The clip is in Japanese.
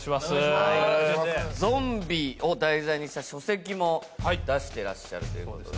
ゾンビを題材にした書籍も出してらっしゃるということで。